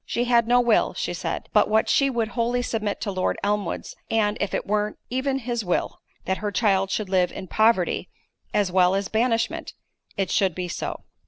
She had no will, she said, but what she would wholly submit to Lord Elmwood's; and, if it were even his will, that her child should live in poverty, as well as banishment, it should be so.